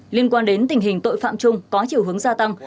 liên quan đến tình hình tội phạm chung có chiều hướng gia tăng